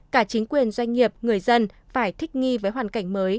cả chính quyền doanh nghiệp người dân phải thích nghi với hoàn cảnh mới